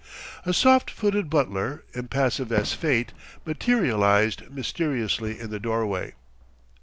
A soft footed butler, impassive as Fate, materialized mysteriously in the doorway.